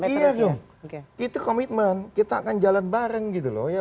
iya dong itu komitmen kita akan jalan bareng gitu loh ya